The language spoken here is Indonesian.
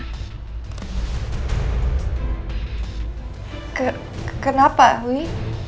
ke kenapa huy